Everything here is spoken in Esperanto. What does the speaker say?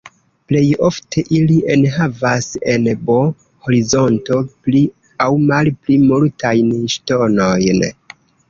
Plej ofte ili enhavas en B-horizonto pli aŭ malpli multajn ŝtonojn.